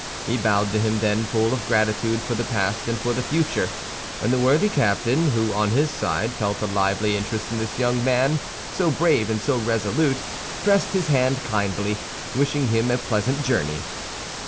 He bowed to him, then, full of gratitude for the past and for the future; and the worthy captain, who on his side felt a lively interest in this young man, so brave and so resolute, pressed his hand kindly, wishing him a pleasant journey.